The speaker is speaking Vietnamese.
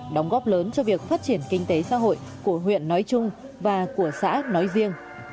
đóng góp lớn cho việc phát triển kinh tế xã hội của huyện nói chung và của xã nói riêng